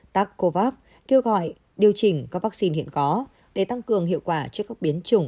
tacovax kêu gọi điều chỉnh các vaccine hiện có để tăng cường hiệu quả trước các biến chủng